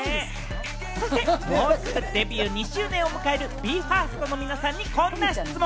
そして、もうすぐデビュー２周年を迎えるＢＥ：ＦＩＲＳＴの皆さんにこんな質問。